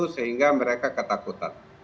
sehingga mereka ketakutan